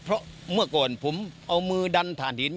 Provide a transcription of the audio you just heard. เพราะเมื่อก่อนผมเอามือดันฐานหิน